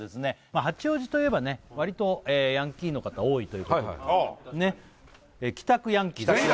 まあ八王子といえばね割とヤンキーの方多いということでね帰宅ヤンキーです